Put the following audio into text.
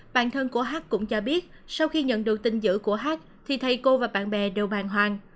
bạn thân của hát cũng cho biết sau khi nhận được tin dữ của hát thì thầy cô và bạn bè đều bàn hoàng